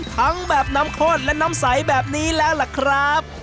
ทั้งแบบน้ำข้นและน้ำใสแบบนี้แล้วล่ะครับ